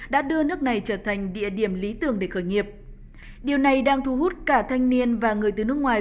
đã đưa nước này trở thành địa điểm lý tưởng để khởi nghiệp điều này đang thu hút cả thanh niên và người từ nước ngoài